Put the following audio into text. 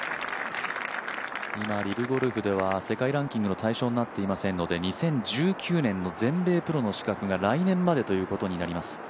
今、リブゴルフでは世界ランキングの対象になっていませんので２０１９年の全米プロの資格が来年までということになります。